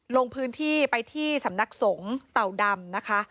ลงพื้นที่ไปที่สำนักสงฆ์เต่าดำนะคะ